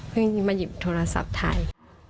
เพิ่งมาหยิบโทรศัพท์ท้าย